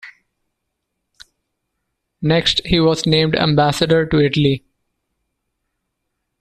Next, he was named ambassador to Italy.